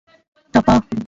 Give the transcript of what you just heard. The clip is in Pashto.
ټپه